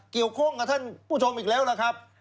เกี่ยวข้องกับท่านผู้ชมอีกแล้วล่ะครับ